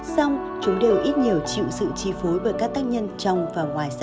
xong chúng đều ít nhiều chịu sự chi phối bởi các tác nhân trong và ngoài xã hội